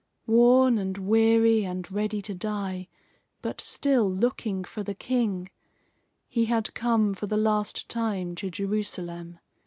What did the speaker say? Worn and weary and ready to die, but still looking for the King, he had come for the last time to Jerusalem.